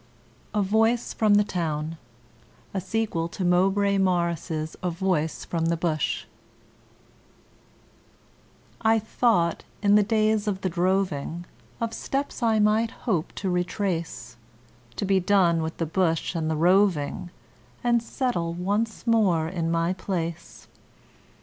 A Voice from the Town A sequel to [Mowbray Morris's] 'A Voice from the Bush' I thought, in the days of the droving, Of steps I might hope to retrace, To be done with the bush and the roving And settle once more in my place.